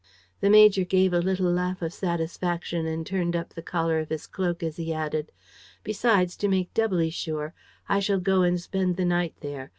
The major gave a little laugh of satisfaction and turned up the collar of his cloak as he added: "Besides, to make doubly sure, I shall go and spend the night there